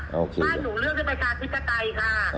ไม่เกี่ยวเลยค่ะบ้านหนูเลือกด้วยประชาธิปไตยค่ะ